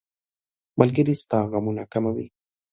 ملګری ستا غمونه کموي.